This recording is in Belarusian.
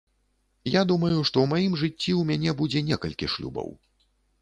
Я думаю, што ў маім жыцці ў мяне будзе некалькі шлюбаў.